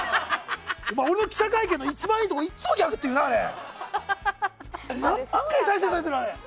俺の記者会見の一番いいところいっつもギャグって言うな、お前！